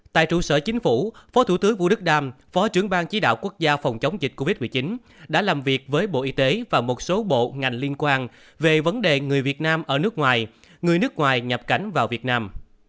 tại trụ sở chính phủ phó thủ tướng vũ đức đam phó trưởng ban chỉ đạo quốc gia phòng chống dịch covid một mươi chín đã làm việc với bộ y tế và một số bộ ngành liên quan về vấn đề người việt nam ở nước ngoài người nước ngoài nhập cảnh vào việt nam